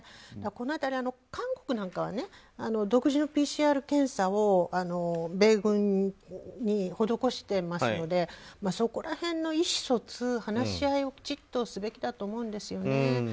この辺り、韓国なんかは独自のＰＣＲ検査を米軍に施してますのでそこら辺の意思疎通話し合いをきちっとすべきだと思うんですよね。